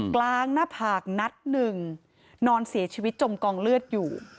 กลางหน้าผากนัดหนึ่งนอนเสียชีวิตจมกองเลือดอยู่